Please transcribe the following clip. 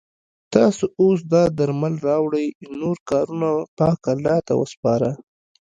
تاسو اوس دا درمل راوړئ نور کارونه پاک الله ته وسپاره.